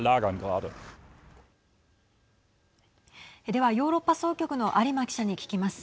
では、ヨーロッパ総局の有馬記者に聞きます。